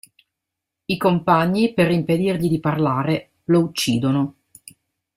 I compagni, per impedirgli di parlare, lo uccidono.